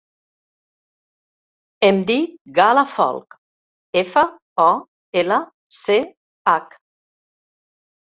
Em dic Gal·la Folch: efa, o, ela, ce, hac.